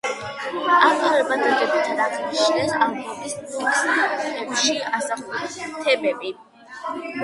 ავტორებმა დადებითად აღნიშნეს ალბომის ტექსტებში ასახული თემები.